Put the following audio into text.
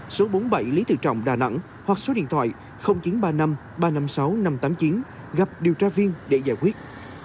số bốn mươi bảy lý tự trọng đà nẵng hoặc số điện thoại chín trăm ba mươi năm ba trăm năm mươi sáu năm trăm tám mươi chín gặp điều tra viên để giải quyết